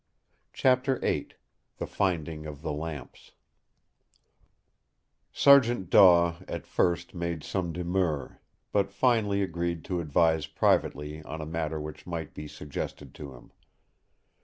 Chapter VIII The Finding of the Lamps Sergeant Daw at first made some demur; but finally agreed to advise privately on a matter which might be suggested to him.